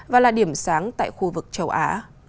và là điểm sáng tại khu vực châu á